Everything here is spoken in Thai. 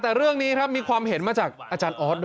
แต่เรื่องนี้ครับมีความเห็นมาจากอาจารย์ออสด้วย